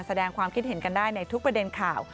แสดงความคิดเห็นกันได้ในทุกประเด็นข่าว